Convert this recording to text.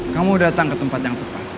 kamu datang ke tempat yang tepat